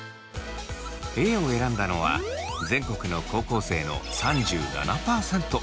Ａを選んだのは全国の高校生の３７％。